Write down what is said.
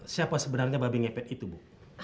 siapa sebenarnya babi ngepet itu bu